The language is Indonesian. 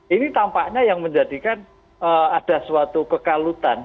ini tampaknya yang menjadikan ada suatu kekalutan